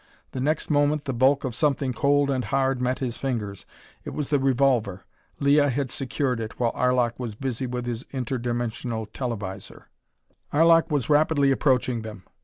The next moment the bulk of something cold and hard met his fingers. It was the revolver. Leah had secured it while Arlok was busy with his inter dimensional televisor. Arlok was rapidly approaching them.